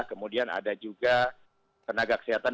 kemudian ada juga tenaga kesehatan